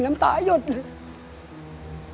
น้ำตาหยุดเลย